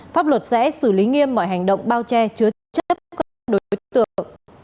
pháp luật sẽ xử lý nghiêm mọi hành động bao che chứa chấp các đối tượng